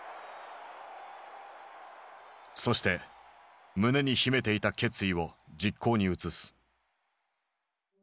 そして胸に秘めていた決意を実行に移す。